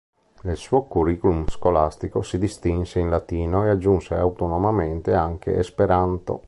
Nel suo curriculum scolastico si distinse in latino e aggiunse autonomamente anche esperanto.